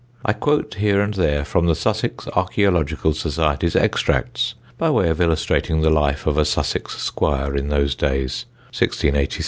I quote here and there, from the Sussex Archæological Society's extracts, by way of illustrating the life of a Sussex squire in those days, 1683 1714: 1705.